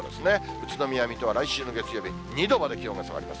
宇都宮、水戸は来週の月曜日、２度まで気温が下がります。